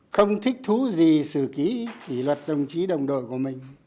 không thích thú gì sự ký kỷ luật đồng chí đồng đội của mình